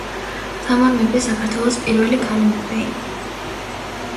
თამარ მეფე საქართველოს პირველი ქალი მეფე იყო.